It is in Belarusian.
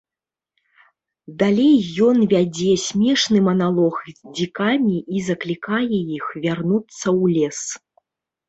Далей ён вядзе смешны маналог з дзікамі і заклікае іх вярнуцца ў лес.